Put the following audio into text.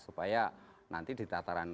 supaya nanti ditataran